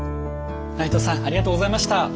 内藤さんありがとうございました。